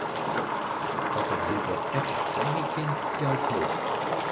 Dat dat blykber ek echt slagje kin, jout hoop.